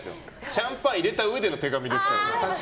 シャンパン入れたうえでの手紙ですよ。